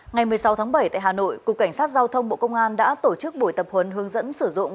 ngày một mươi sáu tháng bảy tại hà nội cục cảnh sát giao thông bộ công an đã tổ chức buổi tập huấn hướng dẫn sử dụng